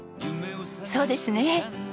そうですね。